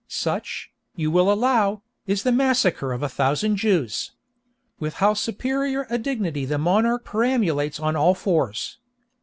Such, you will allow, is the massacre of a thousand Jews. With how superior a dignity the monarch perambulates on all fours!